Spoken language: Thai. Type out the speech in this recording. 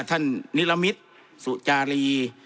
ท่านนิรมิตรสุจารี